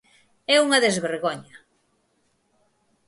¡É unha desvergoña!